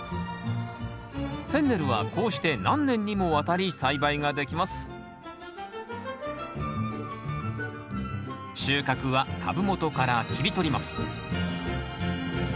フェンネルはこうして何年にもわたり栽培ができます収穫は畑でハーブ